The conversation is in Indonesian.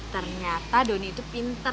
ternyata don itu pinter